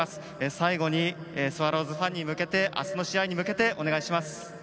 最後にスワローズファンに向けてあすの試合に向けてお願いします。